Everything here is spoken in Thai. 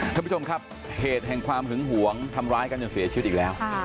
ท่านผู้ชมครับเหตุแห่งความหึงหวงทำร้ายกันจนเสียชีวิตอีกแล้ว